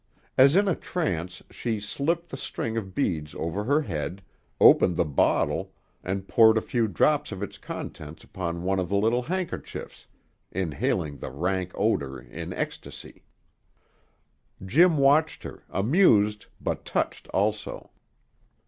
As in a trance she slipped the string of beads over her head, opened the bottle, and poured a few drops of its contents upon one of the little handkerchiefs, inhaling the rank odor in ecstasy. Jim watched her, amused but touched also.